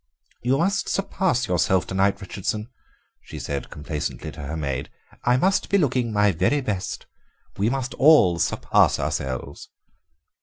"You must surpass yourself to night, Richardson," she said complacently to her maid; "I must be looking my very best. We must all surpass ourselves."